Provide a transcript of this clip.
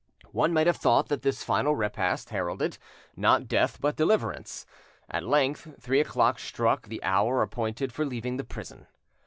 One might have thought that this final repast heralded, not death but deliverance. At length three o'clock struck the hour appointed for leaving the prison.